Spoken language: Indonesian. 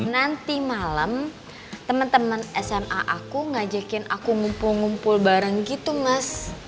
nanti malem temen temen sma aku ngajakin aku ngumpul ngumpul barang gitu mas